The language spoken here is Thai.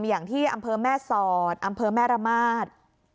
อย่างที่อำเภอแม่สอดอำเภอแม่ระมาท